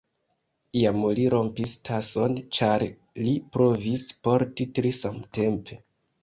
Iam li rompis tason, ĉar li provis porti tri samtempe.